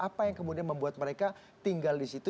apa yang kemudian membuat mereka tinggal di situ